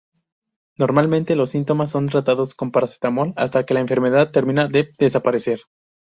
Normalmente, los síntomas son tratados con paracetamol hasta que la enfermedad termina por desaparecer.